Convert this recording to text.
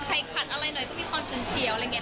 ขัดอะไรหน่อยก็มีความฉุนเฉียวอะไรอย่างนี้